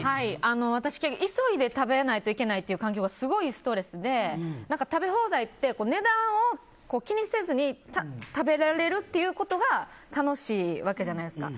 私、急いで食べないといけないという環境がすごいストレスで食べ放題って値段を気にせずに食べられるということが楽しいわけじゃないですか。